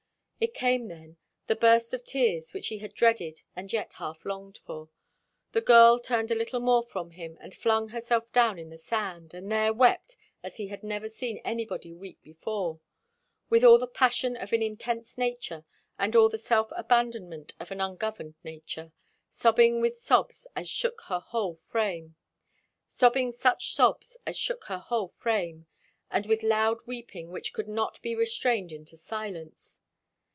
It came then, the burst of tears which he had dreaded and yet half longed for. The girl turned a little more from him and flung herself down on the sand, and there wept as he had never seen anybody weep before. With all the passion of an intense nature, and all the self abandonment of an ungoverned nature, sobbing such sobs as shook her whole frame, and with loud weeping which could not be restrained into silence.